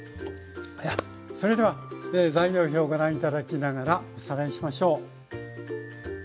それでは材料表をご覧頂きながらおさらいしましょう。